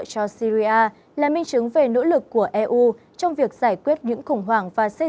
cho syria là minh chứng về nỗ lực của eu trong việc giải quyết những khủng hoảng và xây